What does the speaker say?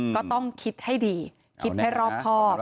ก็ต้องคิดให้ดีก็ต้องคิดให้โรคครอบ